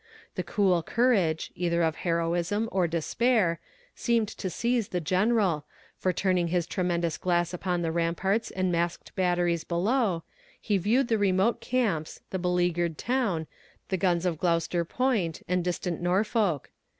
The cool courage, either of heroism or despair, seemed to seize the general, for turning his tremendous glass upon the ramparts and masked batteries below, he viewed the remote camps, the beleaguered town, the guns of Gloucester Point, and distant Norfolk.